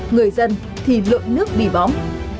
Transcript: người dân thì lộn nước bị bóng